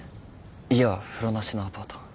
家は風呂なしのアパート。